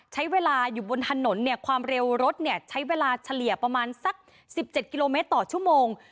ใช้เวลาอยู่บนถนนเนี่ยความเร็วรถเนี่ยใช้เวลาเฉลี่ยประมาณสัก๑๗กิโลเมตรต่อชั่วโมง